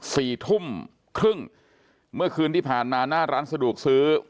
สี่ทุ่มครึ่งเมื่อคืนที่ผ่านมาหน้าร้านสะดวกซื้อ